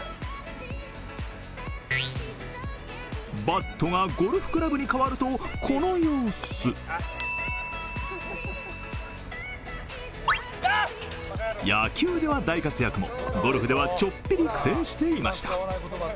バットがゴルフクラブに変わるとこの様子野球では大活躍も、ゴルフではちょっぴり苦戦していました。